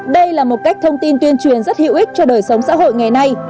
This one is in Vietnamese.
đây là một cách thông tin tuyên truyền rất hữu ích cho đời sống xã hội ngày nay